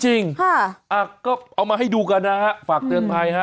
จริงก็เอามาให้ดูกันนะฮะฝากเตือนภัยฮะ